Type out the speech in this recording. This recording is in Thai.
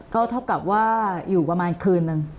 ก็เท่ากับว่าอยู่ประมาณคืนนึง